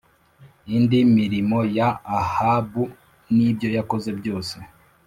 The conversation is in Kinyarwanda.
indi mirimo ya Ahabu n ibyo yakoze byose